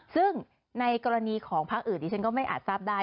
ซึ่งในกรณีของพักอื่นดิฉันก็ไม่อาจทราบได้